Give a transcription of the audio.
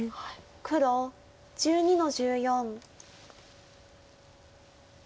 黒１２の十四。